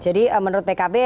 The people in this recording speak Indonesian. jadi menurut pkb